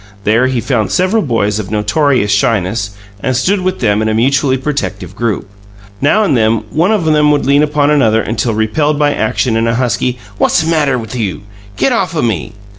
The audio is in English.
There he found several boys of notorious shyness, and stood with them in a mutually protective group. Now and then one of them would lean upon another until repelled by action and a husky "What's matter 'th you? Get off o' me!"